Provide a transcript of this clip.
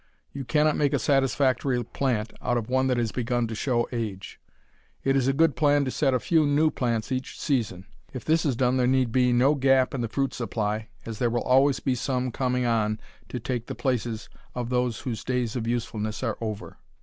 You cannot make a satisfactory plant out of one that has begun to show age. It is a good plan to set a few new plants each season. If this is done there need be no gap in the fruit supply, as there will always be some coming on to take the places of those whose days of usefulness are over.